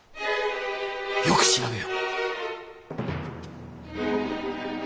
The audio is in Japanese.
よく調べよ。